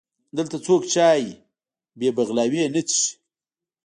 دلته څوک چای بې بغلاوې نه څښي.